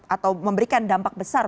atau memberikan dampak besar